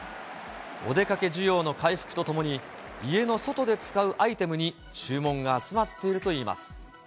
お出かけ需要の回復とともに、家の外で使うアイテムに注文が集まっているといいます。